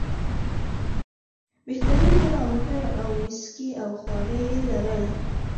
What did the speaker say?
بهترین کور او موټر او ویسکي او خواړه یې لرل.